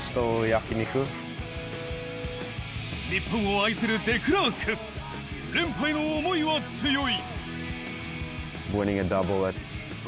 日本を愛するデクラーク、連覇への思いは強い。